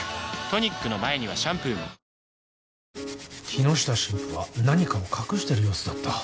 トニックの前にはシャンプーも木下神父は何かを隠してる様子だった。